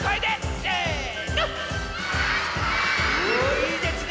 いいですね